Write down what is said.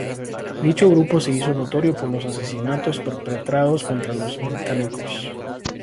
Dicho grupo se hizo notorio por los asesinatos perpetrados contra los los británicos.